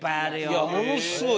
いやものすごい。